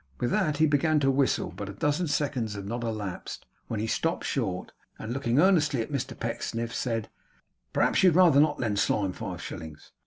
With that he began to whistle; but a dozen seconds had not elapsed when he stopped short, and looking earnestly at Mr Pecksniff, said: 'Perhaps you'd rather not lend Slyme five shillings?